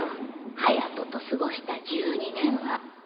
隼と過ごした１２年は。